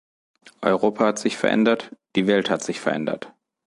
Europa hat sich verändert, die Welt hat sich verändert.